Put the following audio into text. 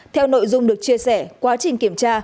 theo nội dung được chia sẻ quá trình kiểm tra